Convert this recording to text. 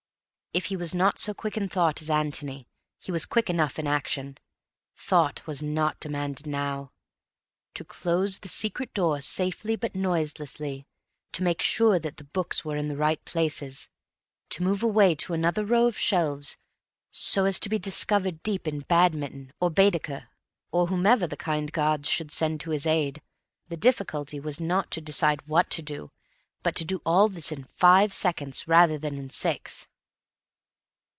If he was not so quick in thought as Antony, he was quick enough in action. Thought was not demanded now. To close the secret door safely but noiselessly, to make sure that the books were in the right places, to move away to another row of shelves so as to be discovered deep in "Badminton" or "Baedeker" or whomever the kind gods should send to his aid—the difficulty was not to decide what to do, but to do all this in five seconds rather than in six.